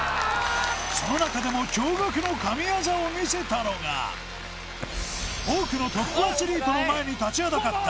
その中でも驚がくの神業を見せたのが多くのトップアスリートの前に立ちはだかった